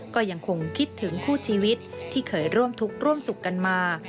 ก็ยังคงคิดถึงคู่ชีวิตที่เคยร่วมทุกข์ร่วมสุขกันมา